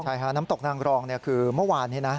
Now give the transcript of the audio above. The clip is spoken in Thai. ใช่ค่ะน้ำตกนางรองคือเมื่อวานนี้นะ